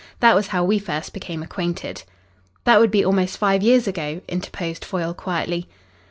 That was how we first became acquainted." "That would be almost five years ago?" interposed Foyle quietly.